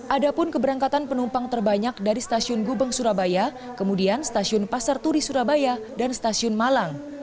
ada pun keberangkatan penumpang terbanyak dari stasiun gubeng surabaya kemudian stasiun pasar turi surabaya dan stasiun malang